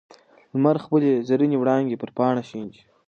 لمر خپلې زرینې وړانګې پر پاڼه شیندي.